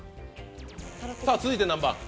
さぁ続いて何番？